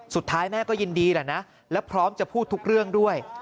สุดท้ายแม่ก็ยินดีแหละนะแล้วพร้อมจะพูดทุกเรื่องด้วย